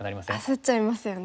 焦っちゃいますよね。